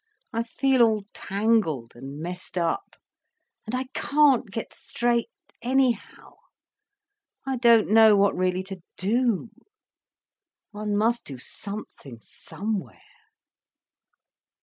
I feel all tangled and messed up, and I can't get straight anyhow. I don't know what really to do. One must do something somewhere."